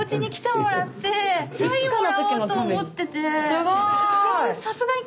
すごい！